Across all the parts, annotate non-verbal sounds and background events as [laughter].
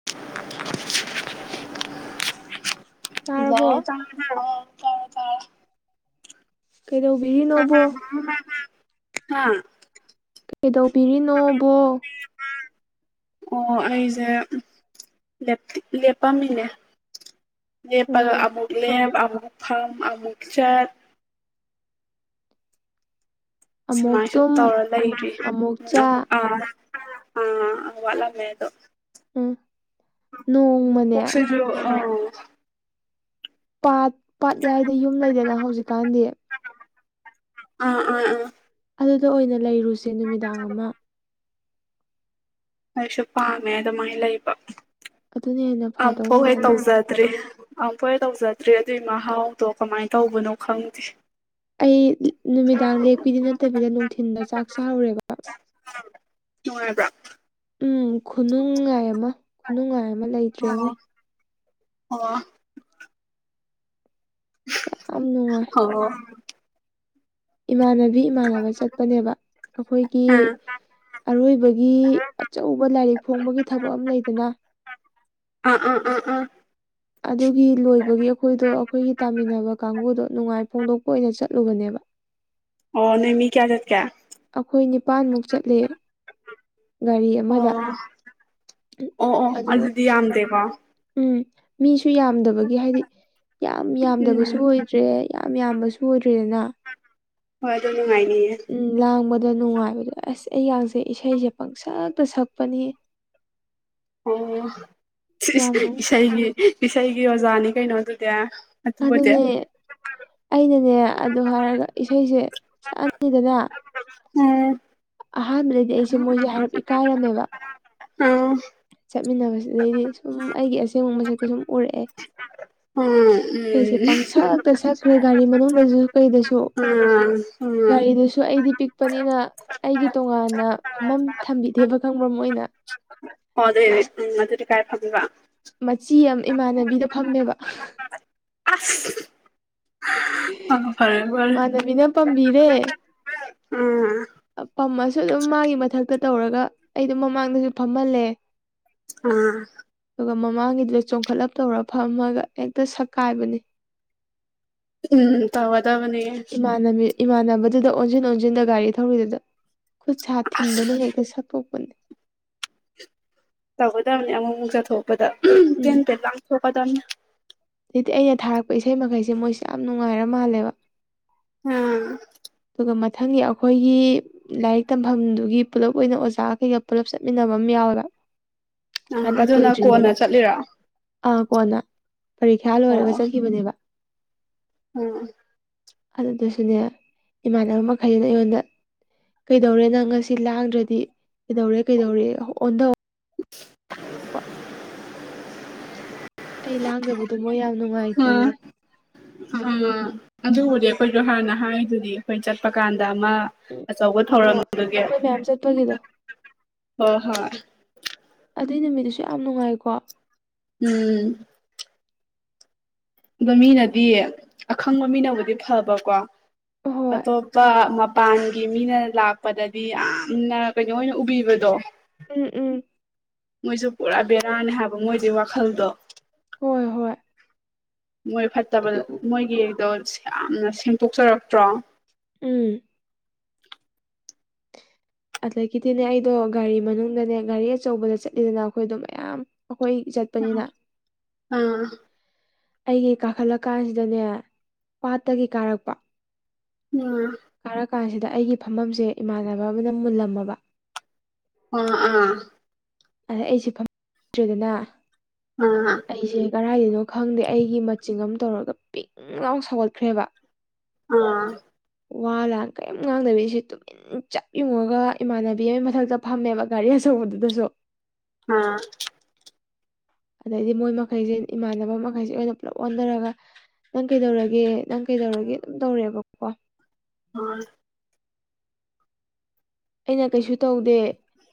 [unintelligible] ꯇꯥꯔꯕꯣ ꯍꯜꯂꯣ ꯆꯥꯛ ꯆꯥꯅꯔꯕꯣ ꯀꯩꯗꯧꯕꯤꯔꯤꯅꯣꯕꯣ [inaudible] ꯍꯥꯥ ꯀꯩꯗꯧꯕꯤꯔꯤꯅꯣꯕꯣ ꯑꯣ ꯑꯩꯁꯦ ꯂꯦꯞꯄꯝꯃꯤꯅꯦ ꯂꯦꯞꯄꯗ ꯎꯝ ꯑꯃꯨꯛ ꯂꯦꯞ ꯑꯃꯨꯛ ꯐꯝ ꯑꯃꯨꯛ ꯆꯠ ꯑꯃꯨꯛ ꯁꯨꯃꯥꯏ ꯁꯨꯝ ꯇꯨꯝ ꯇꯧꯔ ꯂꯩꯔꯤꯔꯤ ꯑꯃꯨꯛ ꯑꯃꯨꯛ ꯆꯥ ꯑꯥ ꯑ ꯋꯥꯂꯝꯃꯦ ꯑꯗꯨ ꯎꯝ ꯅꯣꯡꯃꯅꯦ ꯍ [inaudible] ꯑ ꯄꯥꯠ ꯄꯥꯠꯌꯥꯏꯗ ꯌꯨꯝ ꯂꯩꯗꯅ ꯍꯧꯖꯤꯛꯀꯥꯟꯗꯤ ꯑ ꯑ ꯑ ꯑꯗꯨꯗ ꯑꯣꯏꯅ ꯂꯩꯔꯨꯁꯦ ꯅꯨꯃꯤꯗꯥꯡ ꯑꯃ ꯑꯩꯁꯨ ꯄꯥꯝꯃꯦ ꯑꯗꯨꯃꯥꯏꯅ ꯂꯩꯕ ꯑꯗꯨꯅ ꯍꯦꯟꯅ ꯐꯗꯧ ꯑꯃꯨꯛꯐꯥꯎ ꯍꯦꯛ ꯃꯥꯜꯂꯤꯉꯣ ꯇꯧꯖꯗ ꯇ꯭ꯔꯦ ꯑꯐꯣꯏ ꯇꯧꯖꯗ꯭ꯔꯦ ꯑꯗꯨꯏ ꯃꯍꯥꯎꯗꯣ ꯀꯃꯥꯏꯅ ꯇꯧꯕꯅꯣ ꯈꯪꯗꯦ ꯑꯩ ꯅꯨꯃꯤꯗꯥꯡ ꯂꯦꯛꯄꯤꯗꯤ ꯅꯠꯇꯕꯤꯗ ꯅꯨꯡꯊꯤꯟꯗ ꯆꯥꯛ ꯆꯥꯎꯔꯦꯕ [inaudible] ꯅꯨꯉꯥꯏꯕꯔꯣ ꯎꯝ ꯈꯨꯅꯨꯡꯉꯥꯏ ꯑꯃ ꯈꯨꯅꯨꯡꯉꯥꯏ ꯑꯃ ꯂꯩꯇ꯭ꯔꯦ ꯏꯉꯣ ꯑꯣ ꯌꯥꯝ ꯅꯨꯡꯉꯥꯏ ꯑꯣ ꯏꯃꯥꯟꯅꯕꯤ ꯏꯃꯥꯟꯅꯕ ꯆꯠꯄꯅꯦꯕ ꯑꯩꯈꯣꯏꯒꯤ ꯑꯥ ꯑꯔꯣꯏꯕꯒꯤ ꯑꯆꯧꯕ ꯂꯥꯏꯔꯤꯛ ꯐꯣꯡꯕꯒꯤ ꯊꯕꯛ ꯑꯃ ꯂꯩꯗꯅ ꯑ ꯑ ꯑ ꯑ ꯑꯗꯨꯒꯤ ꯂꯣꯏꯕꯒꯤ ꯑꯩꯈꯣꯏꯗꯣ ꯑꯩꯈꯣꯏꯒꯤ ꯇꯥꯃꯤꯟꯅꯕ ꯀꯥꯡꯕꯨꯗꯣ ꯅꯨꯡꯉꯥꯏ ꯐꯣꯡꯗꯣꯛꯄ ꯑꯣꯏꯅ ꯆꯠꯂꯨꯕꯅꯦꯕ ꯑꯣ ꯅꯣꯏꯃꯤ ꯀꯌꯥ ꯆꯠꯀꯦ ꯑꯩꯈꯣꯏ ꯅꯤꯄꯥꯥꯟꯃꯨꯛ ꯆꯠꯂꯦ ꯒꯥꯔꯤ ꯑꯃꯗ ꯑꯣ ꯑꯣ ꯑꯣ ꯑꯗꯨꯒ ꯑꯗꯨꯗꯤ ꯌꯥꯝꯗꯦꯀꯣ ꯎꯝ ꯃꯤꯁꯨ ꯌꯥꯝꯗꯕꯒꯤ ꯍꯥꯏꯗꯤ ꯌꯥꯝ ꯌꯥꯝꯗꯕꯁꯨ ꯎꯝ ꯑꯣꯏꯗ꯭ꯔꯦ ꯌꯥꯝ ꯌꯥꯝꯕꯁꯨ ꯑꯣꯏꯗ꯭ꯔꯤꯗꯅ ꯍꯣꯏ ꯑꯗꯨ ꯅꯨꯡꯉꯥꯏꯅꯤꯌꯦ ꯂꯥꯡꯕꯗ ꯅꯨꯡꯉꯥꯏꯕꯗꯣ ꯑꯁ ꯑꯩ ꯉꯡꯖꯩ ꯏꯁꯩꯁꯦ ꯄꯪꯁꯛꯇ ꯁꯛꯄꯅꯤ꯫ ꯑꯣ ꯌꯥꯝꯅ ꯏꯁꯩꯒꯤ ꯏꯁꯩꯒꯤ ꯑꯣꯖꯥꯅꯤ ꯀꯩꯅꯣ ꯑꯗꯨꯗꯤ꯫ ꯑꯗꯨꯕꯨꯗꯤ ꯑꯗꯨꯅꯦ ꯑꯩꯅꯅꯦ ꯑꯗꯨ ꯍꯥꯏꯔꯒ ꯏꯁꯩꯁꯦ ꯁꯛꯑꯅꯤꯗꯅ, ꯎꯝ ꯑꯍꯥꯟꯕꯗꯗꯤ ꯑꯩꯁꯦ ꯃꯣꯏꯁꯦ ꯍꯥꯏꯔꯞ ꯏꯀꯥꯏꯔꯝꯃꯦꯕ, ꯎꯝ ꯆꯠꯃꯤꯟꯅꯕꯁꯤꯗꯩꯗꯤ ꯁꯨꯝ ꯑꯩꯒꯤ ꯑꯁꯦꯡꯕ ꯃꯁꯦꯠꯀ ꯁꯨꯝ ꯎꯔꯛꯑꯦ꯫ ꯎꯝ ꯏꯁꯩꯁꯦ ꯄꯪꯁꯛꯂꯛꯇ ꯁꯛꯈ꯭ꯔꯦ ꯒꯥꯔꯤ ꯃꯅꯨꯡꯗꯁꯨ ꯀꯩꯗꯁꯨ꯫ [unintelligible] ꯒꯥꯔꯤꯗꯨꯁꯨ ꯑꯩꯗꯤ ꯄꯤꯛꯄꯅꯤꯅ, ꯑꯩꯒꯤ ꯇꯣꯉꯥꯟꯅ ꯐꯝꯐꯝ ꯊꯝꯕꯤꯗꯦꯕ ꯈꯪꯕ꯭ꯔꯥ ꯃꯣꯏꯅ꯫ [unintelligible] ꯃꯆꯤ ꯑꯃ ꯏꯃꯥꯟꯅꯕꯤꯗ ꯐꯝꯃꯦꯕ꯫ [unintelligible] ꯑꯣ ꯐꯔꯦ ꯐꯔꯦ ꯏꯃꯥꯟꯅꯕꯤꯅ ꯄꯥꯝꯕꯤꯔꯦ꯫ ꯎꯝ ꯄꯝꯃꯁꯨ ꯑꯗꯨꯝ ꯃꯥꯒꯤ ꯃꯊꯛꯇ ꯇꯧꯔꯒ ꯑꯩꯗꯣ ꯃꯃꯥꯡꯗꯁꯨ ꯐꯝꯍꯜꯂꯦ꯫ ꯎꯝ ꯑꯗꯨꯒ ꯃꯃꯥꯡꯒꯤꯗꯨꯗ ꯆꯣꯡꯈꯠꯂꯞ ꯇꯧꯔ ꯐꯝꯃꯒ ꯍꯦꯛꯇ ꯁꯛꯀꯥꯏꯕꯅꯤ꯫ ꯎꯝ ꯇꯧꯒꯗꯕꯅꯤ꯫ ꯏꯃꯥꯟꯅꯕꯤ ꯏꯃꯥꯟꯅꯕꯗꯨꯗ ꯑꯣꯟꯁꯤꯟ ꯑꯣꯟꯁꯤꯟꯗ ꯒꯥꯔꯤ ꯊꯧꯔꯤꯗꯨꯗ ꯈꯨꯠ ꯁꯥꯥ ꯑꯁ ꯊꯤꯟꯗꯅ ꯍꯦꯛꯇ ꯁꯠꯇꯣꯛꯄꯅꯦ꯫ ꯇꯧꯒꯗꯕꯅꯦ ꯑꯃꯨꯛ ꯑꯃꯨꯛ ꯆꯠꯊꯣꯛꯄꯗ ꯇꯦꯟ ꯎꯝ ꯇꯦꯟ ꯂꯥꯡꯊꯣꯛꯀꯗꯕꯅꯤ꯫ ꯑꯗꯩꯗꯤ ꯑꯩꯅ ꯊꯥꯔꯛꯄ ꯏꯁꯩ ꯃꯈꯩꯁꯦ ꯃꯣꯏꯁꯨ ꯌꯥꯝ ꯅꯨꯡꯉꯥꯏꯔ ꯃꯥꯜꯂꯦꯕ꯫ ꯎꯝ ꯑꯗꯨꯒ ꯃꯊꯪꯒꯤ ꯑꯩꯈꯣꯏꯒꯤ, ꯂꯥꯏꯔꯤꯛ ꯇꯝꯐꯝꯗꯨꯒꯤ ꯄꯨꯂꯞ ꯑꯣꯏꯅ ꯑꯣꯖꯥꯈꯩꯒ ꯄꯨꯜꯂꯞ ꯆꯠꯃꯤꯟꯅꯕ ꯑꯃ ꯌꯥꯎꯋꯦꯕ, ꯎꯝ ꯍꯟꯗꯛ ꯑꯗꯨꯅ ꯀꯣꯟꯅ ꯀꯨꯏꯗ꯭ꯔꯤꯉꯩꯗ ꯆꯠꯂꯤꯔꯣ ꯑꯣ ꯑꯥ ꯀꯣꯟꯅ꯫ ꯄꯔꯤꯈ꯭ꯌꯥ ꯂꯣꯏꯔꯒ ꯑꯣ ꯆꯠꯈꯤꯕꯅꯦꯕ꯫ ꯎꯝ ꯑꯗꯨꯗꯨꯁꯨꯅꯦ ꯏꯃꯥꯟꯅꯕ ꯃꯈꯩꯁꯤꯅ ꯑꯩꯉꯣꯟꯗ ꯀꯩꯗꯧꯔꯦ? ꯅꯪ ꯉꯁꯤ ꯂꯥꯡꯗ꯭ꯔꯗꯤ ꯀꯩꯗꯧꯔꯦ ꯀꯩꯗꯧꯔꯦ ꯑꯣꯟꯊꯧ [unintelligible] ꯑꯩ ꯂꯥꯡꯗꯕꯗꯣ ꯃꯣꯏ ꯌꯥꯝ ꯎꯝ ꯅꯨꯡꯉꯥꯏꯇꯦꯌꯦ꯫ ꯎꯝ ꯑꯗꯨꯕꯨꯗꯤ ꯑꯩꯈꯣꯏꯁꯨ ꯍꯥꯟꯅ ꯍꯥꯏꯗꯨꯗꯤ ꯑꯩꯈꯣꯏ ꯆꯠꯄ ꯀꯥꯟꯗ ꯑꯃ, ꯑꯆꯧꯕ ꯎꯝ ꯍꯣꯏ ꯊꯧꯔꯝꯗꯨꯒꯤ ꯑꯩꯈꯣꯏ ꯃꯌꯥꯝ ꯆꯠꯄꯒꯤꯗꯣ ꯍꯣꯏ ꯍꯣꯏ꯫ ꯑꯗꯨꯏ ꯅꯨꯃꯤꯠꯇꯨꯁꯨ ꯌꯥꯝ ꯅꯨꯡꯉꯥꯏꯀꯣ꯫ ꯎꯝ ꯑꯗꯣ ꯃꯤꯅꯗꯤ ꯑꯈꯪꯕ ꯃꯤꯅꯕꯨꯗꯤ ꯐꯕꯀꯣ ꯍꯣꯏ ꯑꯇꯣꯞꯄ ꯃ ꯄꯥꯟꯒꯤ ꯃꯤꯅ ꯂꯥꯛꯄꯗꯗꯤ ꯌꯥꯝꯅ ꯀꯩꯅꯣ ꯑꯣꯏꯅ ꯎꯕꯤꯕꯗꯣ꯫ ꯎꯝ ꯎꯝ ꯃꯣꯏꯁꯨ ꯄꯨꯔꯥ ꯕꯦꯔꯥꯅꯦ ꯍꯥꯏꯕ ꯃꯣꯏꯗꯤ ꯋꯥꯈꯜꯗꯣ꯫ ꯍꯣꯏ ꯍꯣꯏ ꯃꯣꯏ ꯐꯠꯇꯕ, ꯑꯗꯨ ꯃꯣꯏꯒꯤꯗꯣ ꯌꯥꯝꯅ ꯁꯦꯡꯇꯣꯛꯆꯔꯛꯇ꯭ꯔꯣ? ꯎꯝ ꯑꯗꯒꯤꯗꯤꯅꯦ ꯑꯩꯗꯣ ꯒꯥꯔꯤ ꯃꯅꯨꯡꯗꯅꯦ ꯒꯥꯔꯤ ꯑꯆꯧꯕꯗ ꯆꯠꯂꯤꯗꯅ ꯑꯩꯈꯣꯏꯗꯣ ꯃꯌꯥꯝ ꯑꯩꯈꯣꯏ ꯆꯠ ꯄꯅꯤꯅ ꯑꯥ ꯑꯩꯒꯤ ꯀꯥꯈꯠꯂꯛ ꯀꯥꯟꯁꯤꯗꯅꯦ ꯄꯥꯠꯇꯒꯤ ꯀꯥꯔꯛꯄ ꯑꯥ ꯀꯥꯔꯛꯀꯥꯟꯁꯤꯗ ꯑꯩꯒꯤ ꯐꯝꯐꯝꯁꯦ ꯏꯃꯥꯟꯅꯕ ꯑꯃꯅ ꯃꯨꯜꯂꯝꯃꯕ ꯑꯥ ꯑꯥ ꯑꯗ ꯑꯩꯁꯦ ꯐꯝ ꯇ꯭ꯔꯦꯗꯅꯥ ꯑꯥ ꯑꯩꯁꯦ ꯀꯔꯥꯏꯗꯩꯅꯣ ꯈꯪꯗꯦ ꯑꯩꯒꯤ ꯃꯆꯤꯡ ꯑꯝ ꯇꯧꯔꯒ ꯄꯤꯡ ꯂꯥꯎ ꯁꯧꯒꯠꯈ꯭ꯔꯦꯕꯥ ꯑꯥ ꯋꯥ ꯂꯥꯟ ꯀꯩꯝ ꯉꯥꯡꯗꯕꯤ ꯑꯩꯁꯦ ꯇꯨꯃꯤꯟ ꯆꯞ ꯌꯨꯡꯉꯒ ꯏꯃꯥꯟꯅꯕꯤ ꯑꯃꯩ ꯃꯊꯛꯇ ꯐꯝꯃꯦꯕ ꯒꯥꯔꯤ ꯑꯆꯧꯕꯗꯨꯗꯁꯨ ꯑꯥ ꯑꯗꯩꯗꯤ ꯃꯣꯏ ꯃꯈꯩꯁꯦ ꯏꯃꯥꯟꯅꯕ ꯃꯈꯩꯁꯦ ꯑꯩꯉꯣꯟꯗ ꯄꯨꯂꯞ ꯑꯣꯟꯊꯔꯒ ꯅꯪ ꯀꯩꯗꯧꯔꯒꯦ ꯅꯪ ꯀꯩꯗꯧꯔꯒꯦ ꯑꯗꯨꯝ ꯇꯧꯔꯦꯕꯀꯣ ꯍꯣꯏ ꯑꯩꯅ ꯀꯩꯁꯨ ꯇꯧꯗꯦ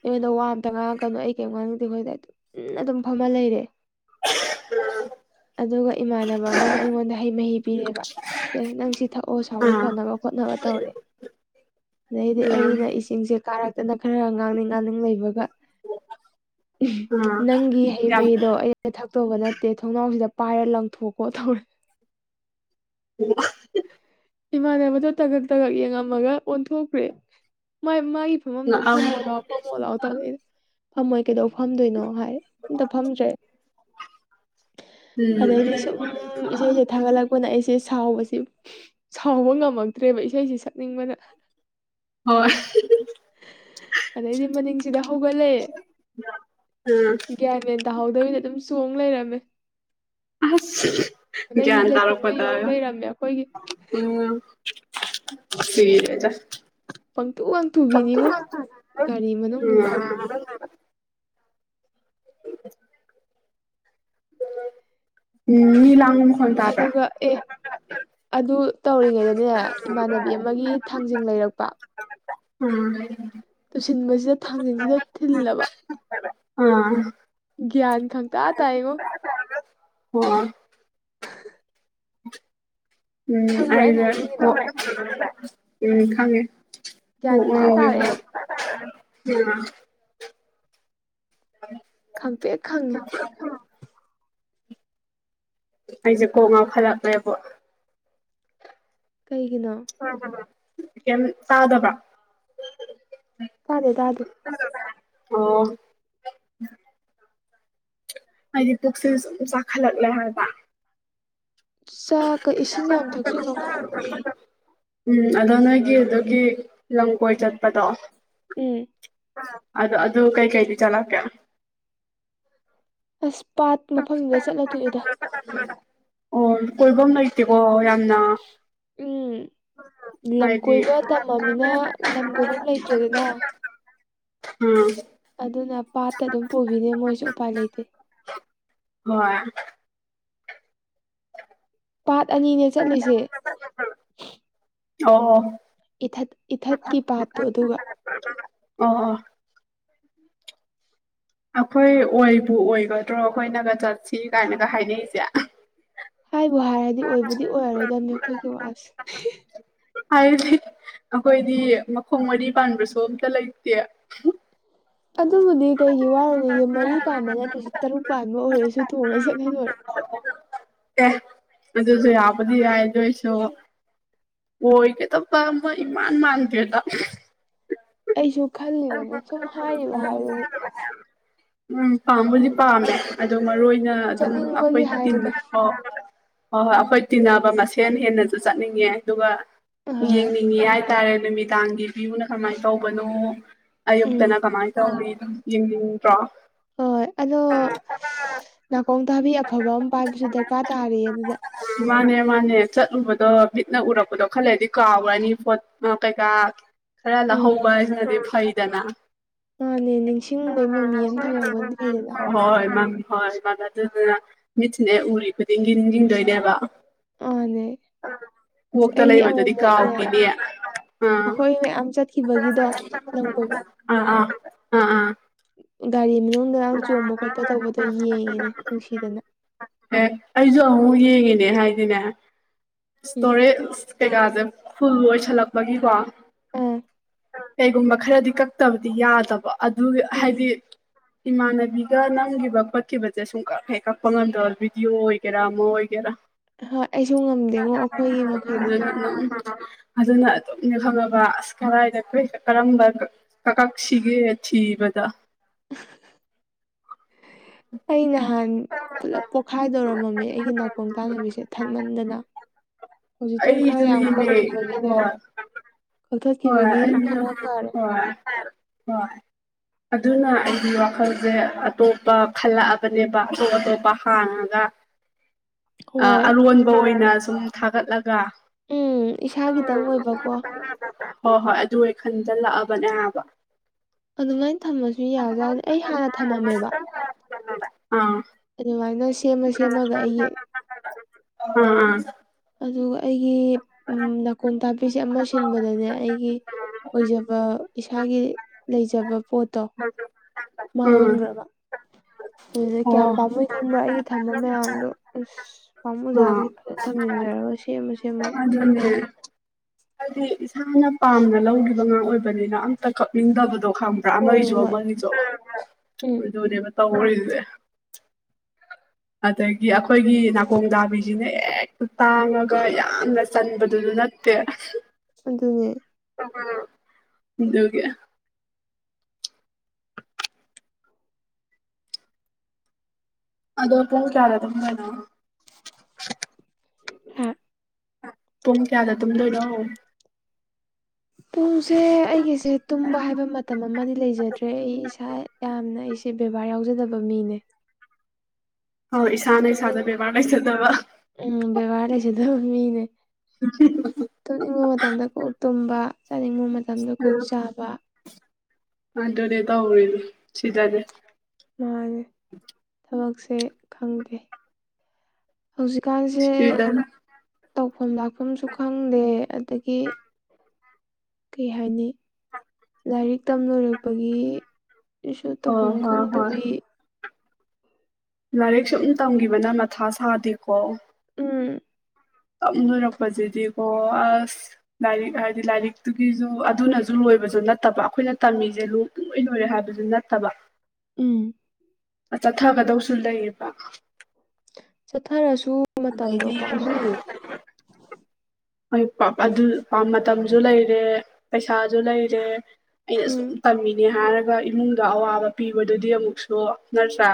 ꯑꯩꯉꯣꯟꯗ ꯋꯥ ꯑꯝꯇ ꯉꯥꯡꯉꯛꯀꯅꯣ ꯑꯩ ꯀꯩꯝ ꯉꯥꯡꯅꯤꯡꯗꯦ ꯈꯣꯠꯇꯦꯅ ꯇꯨꯃꯤꯟꯅ ꯑꯗꯨꯝ ꯐꯝꯃ ꯂꯩꯔꯦ ꯑꯗꯨꯒ ꯏꯃꯥꯟꯅꯕ ꯑꯃꯅ ꯑꯩꯉꯣꯟꯗ ꯍꯩ ꯃꯍꯤ ꯄꯤꯔꯦꯕ ꯁꯦ ꯅꯪ ꯁꯤ ꯊꯛꯑꯣ ꯁꯥꯎꯕ ꯑꯥ ꯐꯅꯕ ꯈꯣꯠꯅꯕ ꯇꯧꯔꯦ ꯑꯗꯩꯗꯤ ꯑꯥ ꯑꯩꯅ ꯏꯁ ꯢꯁꯤꯡꯁꯦ ꯀꯥꯔꯛꯇꯅ ꯈꯔ ꯉꯥꯡꯅꯤꯡ ꯉꯥꯡꯅꯤꯡ ꯂꯩꯕꯒ ꯎꯝ ꯑꯥ ꯅꯪꯒꯤ ꯍꯩ ꯌꯥꯝ ꯃꯍꯤꯗꯣ ꯑꯩ ꯊꯛꯇꯧꯕ ꯅꯠꯇꯦ ꯊꯣꯡꯅꯥꯎꯁꯤꯗ ꯄꯥꯏꯔ ꯂꯪꯊꯣꯛꯀꯣ ꯇꯧꯔꯦ [unintelligible] ꯏꯃꯥꯟꯅꯕꯗꯣ ꯇꯥꯉꯛ ꯇꯥꯉꯛ ꯌꯦꯡꯉꯝꯃꯒ ꯑꯣꯟꯊꯣꯛꯈ꯭ꯔꯦ ꯃꯥ ꯃꯥꯏ ꯐꯝꯕꯝꯗꯣ ꯉꯛꯑꯝ ꯐꯝꯃꯣ ꯂꯥꯎ ꯐꯝꯃꯣ ꯂꯥꯎ ꯇꯧꯔꯦ ꯑꯩꯅ ꯐꯝꯃꯣꯏ ꯀꯩꯗꯧ ꯐꯝꯗꯣꯏꯅꯣ ꯍꯥꯏ ꯑꯝꯇ ꯐꯝꯗ꯭ꯔꯦ ꯎꯝ ꯑꯗꯩꯗꯤ ꯁꯨꯝ ꯏꯁꯩꯁꯦ ꯊꯥꯒꯠꯂꯛ ꯄꯅ ꯑꯩꯁꯦ ꯁꯥꯎꯕꯁꯦ ꯁꯥꯎꯕ ꯉꯝꯃꯛꯇ꯭ꯔꯦꯕ ꯏꯁꯩꯁꯦ ꯁꯛꯅꯤꯡꯕꯅ ꯍꯣꯏ ꯑꯗꯩꯗꯤ ꯃꯅꯤꯡꯁꯤꯗ ꯍꯧꯒꯠꯂꯦ ꯎꯝ ꯒ꯭ꯌꯥꯟꯃꯦꯟ ꯇꯥꯍꯧꯗꯕꯤꯗ ꯑꯗꯨꯝ ꯆꯣꯡ ꯂꯩꯔꯝꯃꯦ ꯑꯁ ꯑꯗꯩꯗꯤ ꯒ꯭ꯌꯥꯟ ꯂꯩꯐꯝꯗꯨ ꯇꯥꯔꯛꯄꯗ ꯌꯧ ꯍꯥꯢꯌꯣ ꯂꯩꯔꯝꯃꯦ ꯑꯩꯈꯣꯏꯒꯤ ꯎꯝ ꯁꯤꯔꯦꯗ ꯄꯪꯇꯨ ꯎꯝꯝ ꯋꯥꯡꯊꯨꯕꯤꯅꯤꯉꯣ ꯒꯥꯔꯤ ꯃꯅꯨꯡꯗꯨꯗ [unintelligible] [inaudible] ꯎꯝ ꯃꯤ ꯂꯥꯡ ꯎꯝ ꯑꯗꯨꯒ ꯑꯦ ꯑꯗꯨ ꯇꯧꯔꯤꯉꯩꯗꯅꯦ ꯏꯃꯥꯟꯅꯕꯤ ꯑꯃꯒꯤ ꯊꯥꯡꯖꯤꯡ ꯂꯩꯔꯛꯄ ꯎꯝ ꯇꯨꯁꯤꯟꯕꯁꯤꯗ ꯊꯥꯡꯖꯟꯁꯤꯗ ꯊꯤꯜꯂꯕ ꯑꯥ ꯒ꯭ꯌꯥꯟ ꯈꯪꯇꯥ ꯇꯥꯏꯉꯣ ꯑꯣꯝ [unintelligible] [inaudible] ꯑ [unintelligible] [inaudible] ꯎꯝ ꯈꯪꯕ꯭ꯔꯥ ꯑꯩꯅ ꯑꯩꯗ ꯍꯥꯏꯅꯤꯡꯉꯤꯗꯣ ꯈꯪꯉꯦ [inaudible] ꯎ ꯒ꯭ꯌꯥꯟ ꯎ ꯍ ꯈꯪꯇꯥ ꯇꯥꯔꯛꯑꯦ ꯎꯝ [unintelligible] [inaudible] ꯑ [unintelligible] [inaudible] ꯈꯪꯄꯦ ꯈꯪꯉꯦ [unintelligible] [inaudible] ꯑꯩꯁꯦ ꯀꯣꯛ ꯉꯥꯎ ꯐꯠꯂꯛꯂꯦꯕꯣ ꯀꯩꯒꯤꯅꯣ ꯇꯤꯗꯕ꯭ꯔꯣ [unintelligible] [inaudible] ꯇꯥꯗꯦ ꯇꯥꯗꯦ ꯑꯣ [unintelligible] [inaudible] ꯍꯥꯏꯗꯤ ꯄꯨꯛꯁꯤ ꯁꯨꯝ ꯆꯥꯈꯠꯂꯛꯂꯦ ꯍꯥꯏꯕ ꯆꯥꯛꯀ ꯏꯁꯤꯡ ꯌꯥꯝ ꯊꯛꯆꯜꯂꯣ [unintelligible] [inaudible] ꯎꯝ ꯑꯗꯣ ꯅꯣꯏꯒꯤ ꯑꯗꯨꯒꯤ ꯂꯝꯀꯣꯏ ꯆꯠꯄꯗꯣ ꯎ [unintelligible] [inaudible] ꯑꯗꯨꯗ ꯑꯗꯨ ꯀꯩ ꯀꯩꯗꯤ ꯆꯂꯀꯦ ꯑꯁ ꯄꯥꯠ ꯃꯐꯝꯗ ꯆꯠꯂꯗꯣꯏꯏꯗ ꯑꯣ ꯀꯣꯏꯐꯝ ꯂꯩꯇꯦꯀꯣ ꯌꯥꯝꯅ ꯎꯝ ꯂꯝ ꯍꯥꯏꯗꯤ ꯀꯣꯏꯕ ꯇꯝꯃꯃꯤꯅ ꯂꯝ ꯀꯣꯏꯕ ꯂꯩꯇ꯭ꯔꯦꯗꯅ ꯎꯝ [inaudible] [unintelligible] ꯑꯗꯨꯅ ꯄꯥꯠꯇ ꯑꯗꯨꯝ ꯄꯨꯕꯤꯅꯦ ꯃꯣꯏꯁꯨ ꯎꯄꯥꯏ ꯂꯩꯇꯦ ꯍꯣꯏ [inaudible] [unintelligible] ꯄꯥꯠ ꯑꯅꯤꯅꯦ ꯆꯠꯂꯤꯁꯦ ꯑꯣ [inaudible] ꯏꯊꯠ ꯏꯊꯠꯀꯤ ꯄꯥꯠꯇꯣ ꯑꯗꯨꯒ ꯑꯣ ꯑ [inaudible] [unintelligible] ꯑꯩꯈꯣꯏ ꯑꯣꯏꯕꯨ ꯑꯣꯏꯒꯗ꯭ꯔꯣ ꯑꯩꯈꯣꯏꯅꯒ ꯆꯠꯁꯤ ꯀꯥꯏꯅꯒ ꯍꯥꯏꯅꯩꯁꯦ ꯍꯥꯏꯕꯨ ꯍꯥꯏꯔꯗꯤ ꯑꯣꯏꯕꯨꯗꯤ ꯑꯣꯏꯔꯔꯣꯏꯗꯕꯅꯤ ꯑꯩꯈꯣꯏꯒꯤ ꯋꯥꯁꯦ ꯍꯥꯏꯗꯤ ꯑꯩꯈꯣꯏꯗꯤ ꯃꯈꯣꯡ ꯃꯔꯤ ꯄꯥꯟꯕꯁꯨ ꯑꯝꯇ ꯂꯩꯇꯦ ꯑꯗꯨꯕꯨꯗꯤ ꯀꯩꯒꯤ ꯋꯥꯔꯅꯤꯒꯦ ꯃꯔꯤ ꯄꯥꯟꯕ ꯅꯠꯇ꯭ꯔꯁꯨ ꯇꯔꯨꯛ ꯄꯥꯟꯕ ꯑꯣꯏꯔꯁꯨ ꯊꯣꯡꯉꯒ ꯆꯠꯍꯜ ꯂꯣꯏꯔꯦ ꯑꯦ ꯑꯗꯨꯁꯨ ꯌꯥꯕꯗꯤ ꯌꯥꯏꯗꯣꯏꯁꯨ ꯑꯣꯏꯒꯗꯕ ꯑꯃ ꯏꯃꯥꯟ ꯃꯥꯟꯗꯦꯗ ꯑꯩꯁꯨ ꯈꯜꯂꯤ ꯑ ꯎꯝ [unintelligible] [inaudible] ꯎꯝ ꯄꯥꯝꯕꯨꯗꯤ ꯄꯥꯝꯃꯦ ꯑꯗꯣ ꯃꯔꯨ ꯎꯝ ꯑꯣꯏꯅ ꯑꯗꯨꯝ ꯆꯠꯅꯤꯡꯕꯒꯤ ꯑꯩꯈꯣꯏ ꯇꯝ ꯍꯥꯏꯕꯗꯣ ꯍ ꯍꯣꯏ ꯍꯣꯏ ꯍꯣꯏ ꯑꯩꯈꯣꯏ ꯇꯤꯟꯅꯕ ꯃꯁꯦꯟ ꯍꯦꯟꯅꯁꯨ ꯆꯠꯅꯤꯡꯉꯦ ꯑꯗꯨꯒ ꯍꯣꯏ ꯍꯪꯅꯤꯡꯉꯤ ꯍꯥꯏꯇꯥꯔꯦ ꯅꯨꯃꯤꯗꯥꯡꯒꯤ ꯚ꯭ꯌꯨꯅ ꯀꯃꯥꯏꯅ ꯇꯧꯕꯅꯣ ꯎꯝ ꯑꯌꯨꯛꯇꯅ ꯀꯃꯥꯏꯅ ꯇꯧꯔꯤ ꯌꯦꯡꯅꯤꯡꯕ꯭ꯔꯣ ꯍꯣꯏ ꯑꯗꯣ ꯅꯥꯀꯣꯡ ꯊꯥꯕꯤ ꯑꯐꯕ ꯑꯃ ꯄꯥꯏꯕꯁꯨ ꯗꯔꯀꯥꯔ ꯇꯥꯔꯌꯦ ꯑꯗꯨꯗ ꯃꯥꯅꯦ ꯃꯥꯅꯦ ꯆꯠꯂꯨꯕꯗꯣ ꯃꯤꯠꯅ ꯎꯔꯛꯄꯗꯣ ꯈꯜꯂꯗꯤ ꯀꯥꯎꯈꯔꯅꯤ ꯄꯣꯠ ꯀꯩꯀꯥ ꯈꯔ ꯎꯝ ꯂꯧꯍꯧꯕꯁꯤꯅꯗꯤ ꯐꯩꯗꯅ ꯃꯥꯅꯦ ꯅꯤꯡꯁꯤꯡꯕꯩ ꯃꯃꯤ ꯑꯃ ꯊꯝꯍꯧꯕꯅ ꯐꯩꯗꯅ ꯍꯣꯏ ꯃ ꯍ [inaudible] [unintelligible] ꯑꯗꯨꯗꯨꯅ ꯃꯤꯠꯁꯤꯅꯦ ꯎꯔꯤ ꯈꯨꯗꯤꯡꯒꯤ ꯌꯦꯡꯗꯣꯏꯅꯦꯕ ꯑꯅꯦ ꯑꯁ ꯀꯣꯛꯇ ꯑꯩꯗꯤ ꯂꯩꯕꯗꯨꯗꯤ ꯑꯃꯨꯃꯨꯛꯅꯦ ꯀꯥꯎꯈꯤꯅꯦ ꯑꯥ ꯑꯩꯈꯣꯏ ꯃꯌꯥꯝ ꯆꯠꯈꯤꯕꯒꯤꯗꯣ ꯂꯝ ꯀꯣꯏꯕ ꯑ ꯑ ꯑꯥꯑꯥ ꯒꯥꯔꯤ ꯃꯅꯨꯡꯗꯥ ꯆꯣꯡꯕ ꯈꯣꯠꯄ ꯇꯧꯕꯗꯣ ꯌꯦꯡꯉꯤꯅꯦ ꯅꯨꯡꯁꯤꯗꯅ ꯑꯦ ꯑꯩꯁꯨ ꯑꯃꯨꯛ ꯌꯦꯡꯉꯤꯅꯦ ꯍꯥꯏꯗꯤꯅꯦ ꯎꯝ ꯏꯁꯇꯣꯔꯦꯖ ꯀꯩꯀꯥꯁꯦ ꯐꯨꯜ ꯑꯣꯏꯁꯜꯂꯛꯄꯒꯤꯀꯣ ꯎꯝ ꯀꯩꯒꯨꯝꯕ ꯈꯔꯗꯤ ꯀꯛꯇꯕꯗꯤ ꯌꯥꯗꯕ ꯑꯗꯨ ꯎꯝ ꯍꯥꯏꯗꯤ ꯏꯃꯥꯟꯅꯕꯤꯒ ꯅꯝꯈꯤꯕ ꯈꯣꯠꯈꯤꯕꯁꯦ ꯁꯨꯝ ꯀꯛ ꯍꯦꯛ ꯀꯛꯄ ꯉꯝꯗꯕ ꯚꯤꯗꯤꯑꯣ ꯑꯣꯏꯒꯦꯔꯥ ꯑꯃ ꯑꯣꯏꯒꯦꯔꯥ ꯍꯣꯏ ꯑꯩꯁꯨ ꯉꯝꯗꯦꯉꯣ ꯑꯩꯈꯣꯏꯒꯤ ꯃꯈꯩꯗꯨꯗꯤ [inaudible] ꯑꯗꯨꯅ ꯑꯗꯨꯝꯅꯦ ꯈꯪꯉꯕ ꯑꯁ ꯀꯔꯏꯗ ꯀꯔꯝꯕ ꯀꯀꯛꯁꯥꯒꯦ ꯊꯤꯕꯗ ꯑꯩ ꯅꯍꯥꯟ ꯄꯨꯜꯂꯞ ꯄꯣꯛꯈꯥꯏꯗꯧꯔꯝꯃꯝꯃꯦ ꯑꯩꯒꯤ ꯅꯥꯀꯣꯡ ꯇꯥꯟꯅꯕꯤꯁꯦ ꯊꯠꯃꯟꯗꯅ ꯑꯩꯁꯨꯅꯤ ꯃꯤ ꯍꯣꯏ ꯑꯗꯨ ꯍꯣꯏ ꯀꯛꯊꯠꯈꯤꯕꯒꯤ ꯈꯔ ꯐꯔꯦ ꯍꯣꯏ ꯑꯗꯨꯅ ꯑꯩꯗꯤ ꯋꯥꯈꯜꯁꯦ ꯑꯇꯣꯞꯄ ꯈꯜꯂꯛꯑꯕꯅꯦꯕ ꯑꯇꯣꯞ ꯑꯇꯣꯞꯄ ꯍꯥꯡꯉꯒ [inaudible] ꯍꯣꯏ ꯑꯔꯣꯟꯕ ꯑꯣꯏꯅ ꯁꯨꯝ ꯊꯥꯒꯠꯂꯒ ꯎꯝ ꯏꯁꯥꯒꯤꯗꯪ ꯑꯣꯏꯕꯀꯣ ꯍꯣꯏ ꯍꯣꯏ ꯑꯗꯨ ꯈꯟꯖꯟ ꯂꯥꯛꯑꯕꯅꯦ ꯍꯥꯏꯕ ꯑꯗꯨꯃꯥꯏꯅ ꯊꯝꯃꯁꯨ ꯌꯥꯖꯠꯅꯤ ꯑꯩ ꯍꯥꯟꯅ ꯊꯝꯃꯝꯃꯦꯕ ꯑꯥ ꯑꯗꯨꯃꯥꯏꯅ ꯁꯦꯝꯃ ꯁꯦꯝꯃꯒ ꯑꯩꯒꯤ ꯑꯥꯑꯥ ꯑꯗꯨꯒ ꯑꯩꯒꯤ ꯅꯥꯀꯣꯡ ꯇꯥꯛꯄꯤꯁꯦ ꯑꯃ ꯁꯤꯟꯕꯗꯅꯦ ꯑꯩꯒꯤ ꯑꯣꯏꯖꯕ ꯏꯁꯥꯒꯤ ꯂꯩꯖꯕ ꯄꯣꯠꯇꯣ ꯑꯥ ꯃꯥꯡꯈ꯭ꯔꯕ ꯀꯌꯥꯝ ꯑꯣ ꯄꯥꯝꯃꯣꯏ ꯈꯪꯕ꯭ꯔꯥ ꯑꯩꯒꯤ ꯊꯝꯕ ꯃꯌꯥꯝꯗꯣ ꯑꯁ ꯑꯥ ꯄꯥꯝꯃꯨꯖꯥꯠꯅꯤ ꯊꯝꯖꯤꯟꯖꯔꯒꯁꯤ ꯑꯗꯨꯅꯦ ꯍꯥꯏꯗꯤ ꯏꯁꯥꯅ ꯄꯥꯝꯅ ꯂꯧꯈꯤꯕ ꯉꯥꯛ ꯑꯣꯏꯕꯅꯤꯅ ꯑꯝꯇ ꯀꯛꯅꯤꯡꯗꯕꯗꯣ ꯈꯪ ꯍꯣꯏ ꯑꯃꯒꯤꯁꯨ ꯍꯣꯏ ꯑꯃꯒꯤꯁꯨ ꯎꯝ ꯑꯗꯨꯅꯦꯕ ꯇꯧꯔꯤꯁꯦ ꯑꯗꯒꯤ ꯑꯩꯈꯣꯏꯒꯤ ꯅꯥꯀꯣꯡ ꯗꯥꯕꯤꯁꯤꯅ ꯍꯦꯛꯇ ꯇꯥꯡꯉꯒ ꯌꯥꯝꯅ ꯆꯟꯕꯗꯨꯁꯨ ꯅꯠ ꯇꯦ ꯑꯗꯨꯅꯦ [inaudible] ꯑꯗꯣ ꯄꯨꯡ ꯀꯌꯥꯗ ꯇꯨꯝꯗꫭꯏꯅꯣ ꯍꯥ ꯄꯨꯡ ꯀꯌꯥꯗ ꯇꯨꯝꯗꯣꯏꯅꯣ ꯄꯨꯡꯁꯦ ꯑꯩꯒꯤꯁꯦ ꯇꯨꯝꯕ ꯍꯥꯏꯕ ꯃꯇꯝ ꯑꯃꯗꯤ ꯂꯩꯖꯗ꯭ꯔꯦ ꯑꯩ ꯏꯁꯥ ꯌꯥꯝꯅ ꯑꯩꯁꯦ ꯕꯦꯕꯥꯔ ꯌꯥꯎꯖꯗꯕ ꯃꯤꯅꯦ ꯍꯣꯏ ꯏꯁꯥꯅ ꯇꯨꯝꯅꯤꯡ ꯏꯁꯥꯗ ꯕꯦꯕꯥꯔ ꯂꯩꯖꯗꯕ ꯎꯝ ꯕꯦꯕꯥꯔ ꯂꯩꯖꯗꯕ ꯃꯤꯅꯦ ꯇꯨꯝꯅꯤꯡꯕ ꯃꯇꯝꯗ ꯀꯣꯛ ꯇꯨꯝꯅꯤꯡꯕ ꯃꯇꯝꯗ ꯀꯣꯛ ꯇꯨꯝꯕ ꯆꯥꯅꯤꯡꯕ ꯃꯇꯝꯗ ꯀꯣꯛ ꯆꯥꯕ ꯑꯗꯨꯅꯦ ꯇꯧꯔꯤꯁꯦ ꯁꯤꯗꯗꯤ ꯃꯥꯅꯦ ꯊꯕꯛꯁꯦ ꯈꯪꯗꯦ ꯍꯧꯖꯤꯛꯀꯥꯟꯁꯦ ꯁꯤꯗ ꯇꯧꯐꯝ ꯂꯥꯛꯐꯝꯁꯨ ꯈꯪꯗꯦ ꯑꯗꯒꯤ ꯀꯩ ꯍꯥꯏꯅꯤ ꯂꯥꯏꯔꯤꯛ ꯇꯝ ꯂꯣꯏꯔꯛꯄꯒꯤ ꯑꯩꯁꯨ ꯇꯧꯐꯝ ꯍꯣꯏ ꯍꯣꯏ ꯍꯣꯏ ꯈꯪꯗꯕꯤ ꯂꯥꯏꯔꯤꯛ ꯁꯨꯝ ꯇꯝꯒꯤꯕꯅ ꯃꯊꯥ ꯁꯥꯗꯦꯀꯣ ꯎꯝ ꯇꯝ ꯂꯣꯏꯔꯛꯄꯖꯤꯗꯤꯀꯣ ꯑꯁ ꯂꯥꯏꯔꯤꯛ ꯍꯥꯏꯗꯤ ꯂꯥꯏꯔꯤꯛꯇꯨꯒꯤꯖꯨ ꯑꯗꯨꯅꯖꯨ ꯂꯣꯏꯕꯖꯨ ꯅꯠꯇꯕ ꯑꯩꯈꯣꯏꯅ ꯇꯝꯃꯤꯁꯦ ꯂꯨ ꯄꯨꯡ ꯂꯣꯏ ꯂꯣꯏꯔꯦ ꯍꯥꯏꯕꯖꯨ ꯅꯠꯇꯕ ꯎꯝ ꯆꯠꯊꯒꯗꯧꯁꯨ ꯂꯩꯔꯤꯕ ꯆꯠꯊꯔꯁꯨ ꯃꯇꯝꯗꯣ ꯑꯗꯩꯗꯤ ꯄꯥꯝꯃꯨꯏꯌꯦ ꯍꯣꯏ ꯄꯥ ꯑꯗꯨ ꯃꯇꯝꯖꯨ ꯂꯩꯔꯦ ꯄꯩꯁꯥꯖꯨ ꯂꯩꯔꯦ ꯑꯩꯅ ꯎꯝ ꯁꯨꯝ ꯇꯝꯃꯤꯅꯦ ꯍꯥꯏꯔꯒ ꯏꯃꯨꯡꯗ ꯑꯋꯥꯕ ꯄꯤꯕꯗꯨꯗꯤ ꯑꯃꯨꯛꯁꯨ ꯅꯠꯇ꯭ꯔ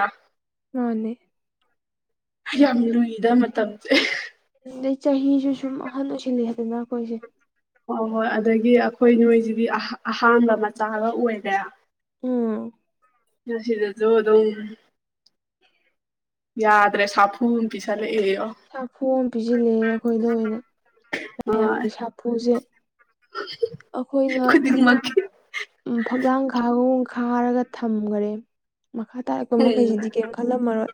ꯃꯥꯅꯦ ꯌꯥꯝ ꯂꯨꯏꯗꯕ ꯃꯇꯝꯖꯦ ꯑꯗꯨꯗꯩ ꯆꯍꯤꯁꯨ ꯁꯨꯝ ꯑꯍꯟ ꯑꯣꯏꯁꯤꯜꯂꯦꯗꯅ ꯑꯩꯈꯣꯏꯁꯦ ꯍꯣꯏ ꯍꯣꯏ ꯑꯗꯒꯤ ꯑꯩꯈꯣꯏ ꯅꯣꯏꯖꯤꯗꯤ ꯑꯍꯥ ꯑꯍꯥꯟꯕ ꯃꯆꯥꯒ ꯑꯣꯏꯔꯦ ꯎꯝ [unintelligible] ꯑꯗꯨꯝ ꯌꯥꯗ꯭ꯔꯦ ꯁꯥꯐꯨꯝ ꯄꯤꯁꯜꯂꯛꯑꯌꯣ ꯁꯥꯐꯨꯝ ꯄꯤꯖꯤꯜꯂꯛꯑꯦ ꯑꯩꯈꯣꯏꯗ ꯑꯣꯏꯅ ꯍꯣꯏ ꯃꯌꯥꯝꯒꯤ ꯁꯥꯐꯨꯖꯦ ꯈꯨꯗꯤꯡꯃꯛꯀꯤ ꯎꯝ ꯐꯛꯂꯥꯡ ꯈꯥꯕꯒꯨꯝ ꯈꯥꯔꯒ ꯊꯝꯒꯔꯦ ꯃꯈꯥ ꯇꯥꯔꯛꯄ ꯎꯝ ꯃꯈꯩꯁꯤꯗꯤ ꯀꯩꯝ ꯈꯜꯂꯝꯃꯔꯣꯏ